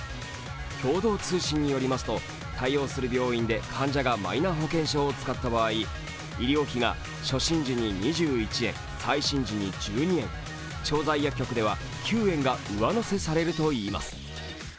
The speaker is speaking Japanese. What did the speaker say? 共同通信によりますと対応する病院で患者がマイナ保険証を使った場合医療費が初診時に２１円、再診時に１２円、調剤薬局では９円が上乗せされるといいます。